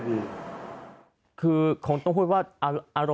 เพื่อเล่นตลกหาเงินครับ